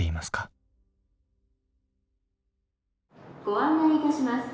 「ご案内いたします。